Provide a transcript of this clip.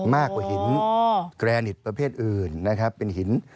มากกว่าหินแกรนิตประเภทอื่นนะครับเป็นหิน